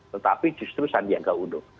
tetapi justru sandiaga uno